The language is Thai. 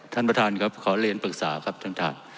ท่านประธานครับขอเรียนปรึกษาครับท่านท่าน